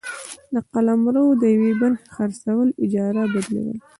د قلمرو د یوې برخي خرڅول ، اجاره ، بدلول،